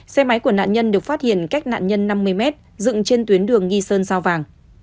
xe máy của nạn nhân được phát hiện cách nạn nhân năm mươi mét dựng trên tuyến đường nghi sơn sao vàng